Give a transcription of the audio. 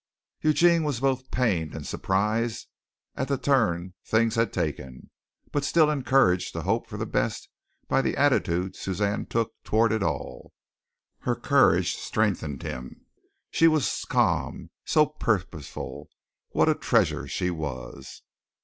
Eugene was both pained and surprised at the turn things had taken, but still encouraged to hope for the best by the attitude Suzanne took toward it all. Her courage strengthened him. She was calm, so purposeful! What a treasure she was!